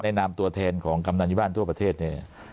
นามตัวแทนของกำนันที่บ้านทั่วประเทศเนี่ย